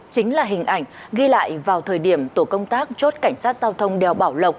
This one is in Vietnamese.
chính là hình ảnh ghi lại vào thời điểm tổ công tác chốt cảnh sát giao thông đèo bảo lộc